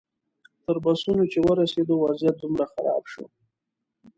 تر بسونو چې ورسېدو وضعیت دومره خراب شو.